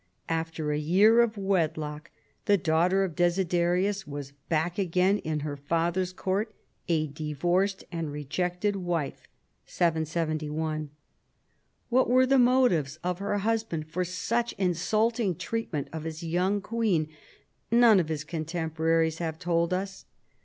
After a year of wedlock the daughter of Desiderius was back again in her father's court a divorced and rejected wife (771). What were the motives of her husband for such insulting treatment of his young queen none of his contemporaries have told us.